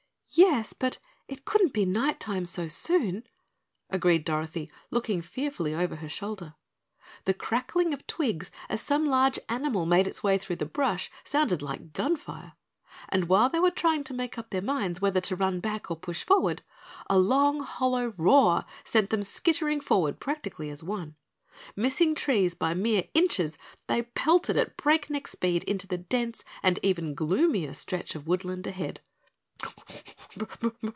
"Yes, it couldn't be night time so soon," agreed Dorothy, looking fearfully over her shoulder. The crackling of twigs as some large animal made its way through the brush sounded like gun fire, and while they were trying to make up their minds whether to run back or push forward, a long hollow roar sent them scittering forward practically as one. Missing trees by mere inches, they pelted at breakneck speed into the dense and even gloomier stretch of woodland ahead.